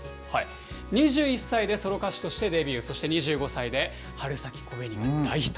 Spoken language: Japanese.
２１歳でソロ歌手としてデビュー、そして２５歳で春咲小紅の大ヒット。